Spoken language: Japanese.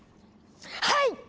はい！